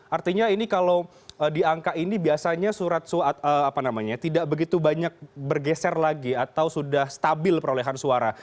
artinya ini kalau di angka ini biasanya surat tidak begitu banyak bergeser lagi atau sudah stabil perolehan suara